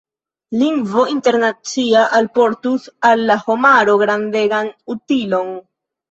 Lingvo internacia alportus al la homaro grandegan utilon.